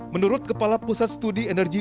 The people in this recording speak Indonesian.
menurut kepala pusat studi energi